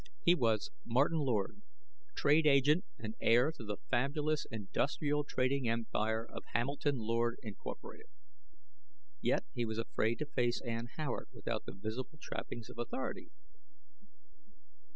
He was Martin Lord, trade agent and heir to the fabulous industrial trading empire of Hamilton Lord, Inc.; yet he was afraid to face Ann Howard without the visible trappings of authority.